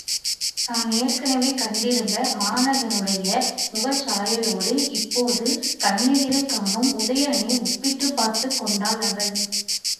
தான் ஏற்கெனவே கண்டிருந்த மாணகனுடைய முகச்சாயலோடு இப்போது கண்ணெதிரே காணும் உதயணனை ஒப்பிட்டுப் பார்த்துக் கொண்டாள் அவள்.